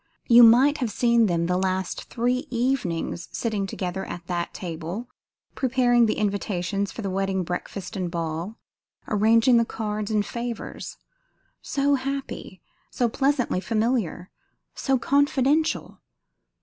You might have seen them the last three evenings sitting together at that table preparing the invitations for the wedding breakfast and ball; arranging the cards and favours. So happy! So pleasantly familiar! So confidential!